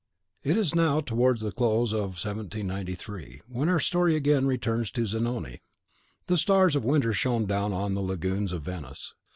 It is now towards the close of 1793, when our story again returns to Zanoni. The stars of winter shone down on the lagunes of Venice.